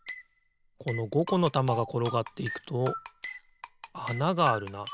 この５このたまがころがっていくとあながあるな。